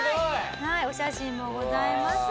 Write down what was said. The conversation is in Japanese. はいお写真もございます。